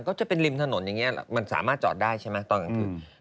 ก็จะเป็นริมถนนอย่างนี้มันสามารถจอดได้ใช่ไหมตอนกลางคืน